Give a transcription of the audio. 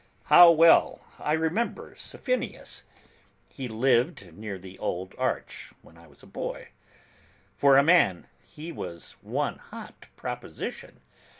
How well I remember Safinius; he lived near the old arch, when I was a boy. For a man, he was one hot proposition!